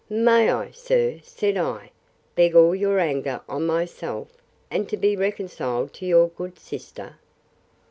May I, sir, said I, beg all your anger on myself, and to be reconciled to your good sister?